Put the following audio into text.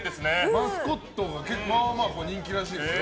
マスコットがまあまあ人気らしいですよ。